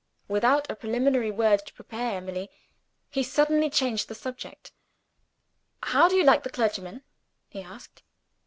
Without a preliminary word to prepare Emily, he suddenly changed the subject. "How do you like the clergyman?" he asked.